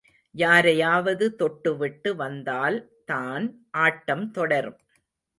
யாரையாவது தொட்டு விட்டு வந்தால் தான் ஆட்டம் தொடரும்.